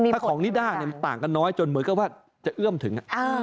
ถ้าของนิด้ามันต่างกันน้อยจนเหมือนกับว่าจะเอื้อมถึง